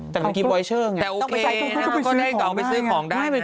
แต่งดาร์กิ๊บไวเชอร์อย่างนี้แต่โอเคนะก็ได้เขาไปซื้อของด้านเนี่ย